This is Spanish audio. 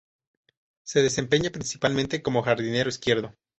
Se desempeña principalmente como jardinero izquierdo.